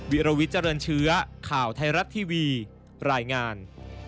วิรวิทเจริญเชื้อข่าวไทยรัฐทีวีรายงาน